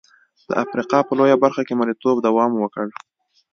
د افریقا په لویه برخه مریتوب دوام وکړ.